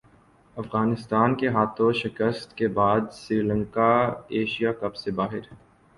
افغانستان کے ہاتھوں شکست کے بعد سری لنکا ایشیا کپ سے باہر